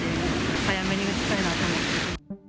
早めに打ちたいなと思って。